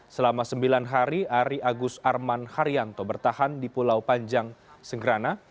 selama sembilan hari ari agus arman haryanto bertahan di pulau panjang segrana